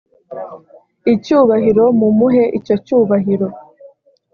icyubahiro mumuhe icyo cyubahiro